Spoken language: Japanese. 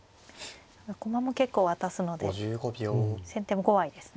駒も結構渡すので先手も怖いですね。